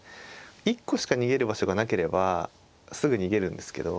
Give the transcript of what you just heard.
一個しか逃げる場所がなければすぐ逃げるんですけど。